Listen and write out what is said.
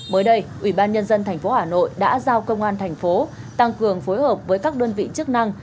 mới đây ủy ban nhân dân tp hà nội đã giao công an thành phố tăng cường phối hợp với các đơn vị chức năng